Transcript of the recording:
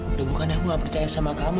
udah bukan aku gak percaya sama kamu